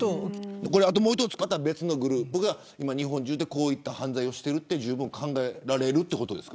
もう１つ、別のグループが日本中で、こういう犯罪をしているのが考えられるということですか。